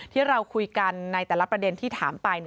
ที่เราคุยกันในแต่ละประเด็นที่ถามไป